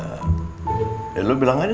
ya lo bilang aja soalnya ya pak aji